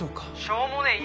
「しょうもねえ